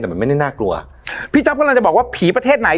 แต่มันไม่ได้น่ากลัวพี่จ๊อปกำลังจะบอกว่าผีประเทศไหน